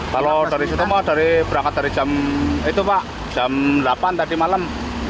kalau dari situ berangkat dari jam itu pak jam delapan tadi malam